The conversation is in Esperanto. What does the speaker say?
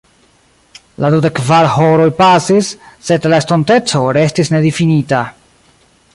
La dudek-kvar horoj pasis, sed la estonteco restis nedifinita.